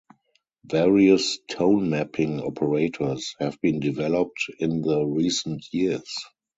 Various tone mapping operators have been developed in the recent years.